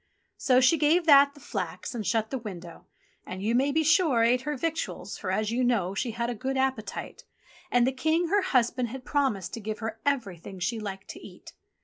So she gave That the flax and shut the window and, you may be sure, ate her victuals, for, as you know, she had a good appetite, and the King, her husband, had promised to give her everything she liked to eat.